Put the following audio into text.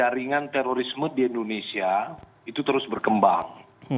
jaringan terorisme di indonesia itu terus berkembang